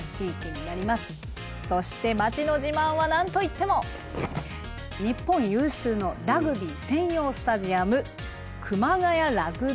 そして街の自慢は何と言っても日本有数のラグビー専用スタジアム熊谷ラグビー場です。